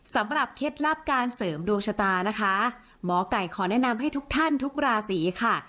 เคล็ดลับการเสริมดวงชะตานะคะหมอไก่ขอแนะนำให้ทุกท่านทุกราศีค่ะ